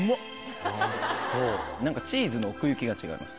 何かチーズの奥行きが違います。